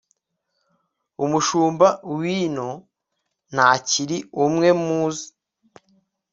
umushumba w'ino ntakiri umwe muzi